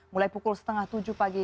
mulai pukul setengah tujuh pagi